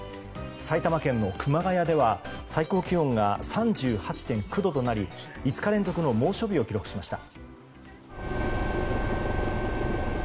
埼玉県の熊谷では最高気温が３８．９度となり５日連続の猛暑日を記録しました。